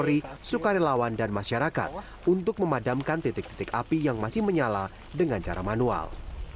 dan dari sukarelawan dan masyarakat untuk memadamkan titik titik api yang masih menyala dengan cara manual